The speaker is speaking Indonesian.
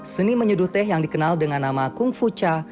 seni menyuduh teh yang dikenal dengan nama kung fucha